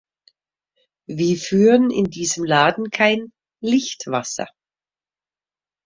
Wie führen in diesem Laden kein "Lichtwasser"!